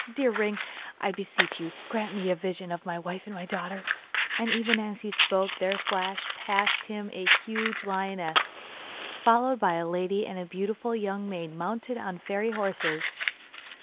Dear ring, I beseech you, grant me a vision of my wife and my daughter!' And even as he spoke there flashed past him a huge lioness, followed by a lady and a beautiful young maid mounted on fairy horses.